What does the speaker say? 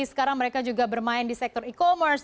sekarang mereka juga bermain di sektor e commerce